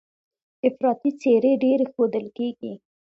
افراطي څېرې ډېرې ښودل کېږي.